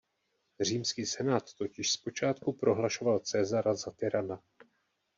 Římský senát totiž zpočátku prohlašoval Caesara za tyrana.